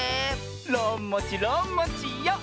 ろんもちろんもちよ！